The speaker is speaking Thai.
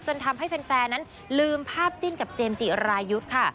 ทำให้แฟนนั้นลืมภาพจิ้นกับเจมส์จิรายุทธ์ค่ะ